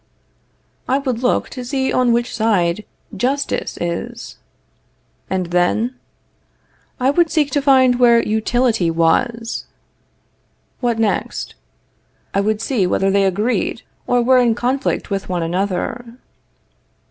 I would look to see on which side justice is. And then? I would seek to find where utility was. What next? I would see whether they agreed, or were in conflict with one another.